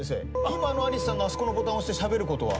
今のアリスちゃんのあそこのボタンを押してしゃべることは？